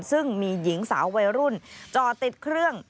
ซึ่งมีหญิงสาววัยรุ่นจอติดเครื่อง